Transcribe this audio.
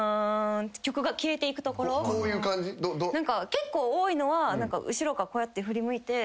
結構多いのは後ろからこうやって振り向いて。